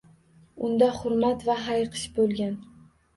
Unda hurmat va hayiqish bo‘lgan.